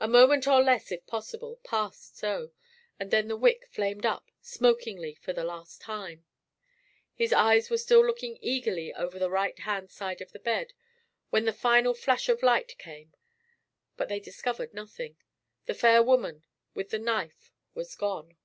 A moment, or less, if possible, passed so, and then the wick flamed up, smokingly, for the last time. His eyes were still looking eagerly over the right hand side of the bed when the final flash of light came, but they discovered nothing. The fair woman with the knife was gone.